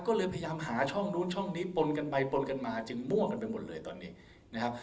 ก็เลยพยายามหาช่องนู้นช่องนี้ปนกันไปปนกันมาจึงมั่วกันไปหมดเลยตอนนี้นะครับ